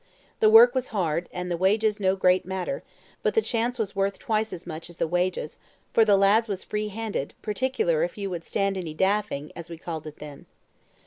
The work was hard, and the wages no great matter; but the chance was worth twice as much as the wages, for the lads was free handed, particular if you would stand any daffing, as we called it then.